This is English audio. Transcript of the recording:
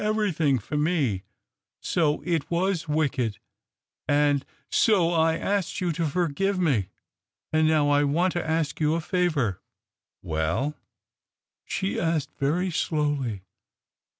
everything for me, so it was wicked ; and so I asked you to forgive me. And now I want to ask you a favour." " Well ?" She spoke very slowly.